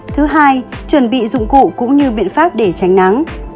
thứ hai chuẩn bị dụng cụ cũng như biện pháp để tránh nắng